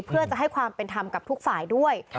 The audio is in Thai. เพื่อจะให้ความเป็นธรรมกับทุกฝ่ายด้วย